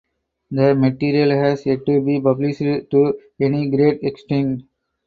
The material has yet to be published to any great extent.